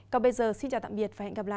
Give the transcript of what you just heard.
còn bây giờ xin chào tạm biệt và hẹn gặp lại